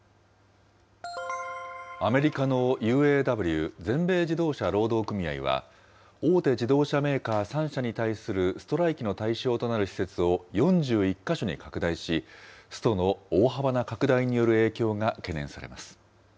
アメリカのＵＡＷ・全米自動車労働組合は、大手自動車メーカー３社に対するストライキの対象となる施設を４１か所に拡大し、ストの大幅な拡大による影響が懸念されます。